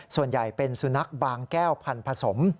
ส่วนใหญ่เป็นสุนัขบางแก้วพันธสม